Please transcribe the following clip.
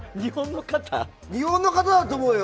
日本の方だと思うよ。